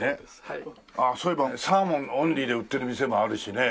そういえばサーモンオンリーで売ってる店もあるしね。